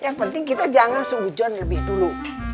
yang penting kita jangan seujuan lebih dulu